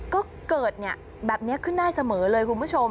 ก็เกิดแบบนี้ขึ้นได้เสมอเลยคุณผู้ชม